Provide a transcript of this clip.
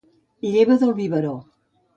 Lleva del biberó.